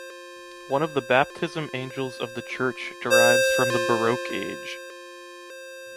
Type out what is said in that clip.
One of the baptism angels of the church derives from the baroque age.